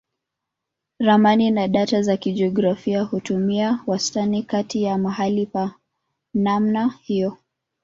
Ramani na data za kijiografia hutumia wastani kati ya mahali pa namna hiyo.